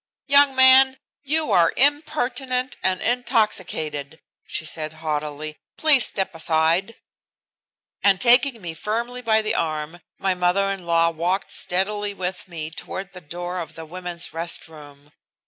"Young man, you are impertinent and intoxicated," she said haughtily. "Please step aside." And taking me firmly by the arm my mother in law walked steadily with me toward the door of the women's rest room.